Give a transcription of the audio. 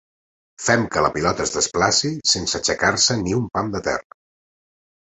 Fem que la pilota es desplaci sense aixecar-se ni un pam de terra.